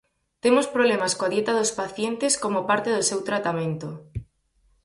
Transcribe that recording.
"Temos problemas coa dieta dos pacientes como parte do seu tratamento".